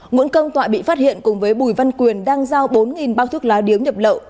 nguyễn công toại bị phát hiện cùng với bùi văn quyền đang giao bốn bác thuốc lá điếu nhập lậu